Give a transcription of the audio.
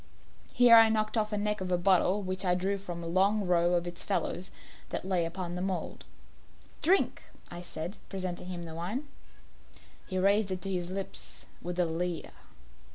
Here I knocked off the neck of a bottle which I drew from a long row of its fellows that lay upon the mould. "Drink," I said, presenting him the wine. He raised it to his lips with a leer.